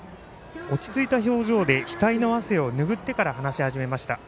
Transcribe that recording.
落ち着いた表情で、額の汗をぬぐってから話し始めました。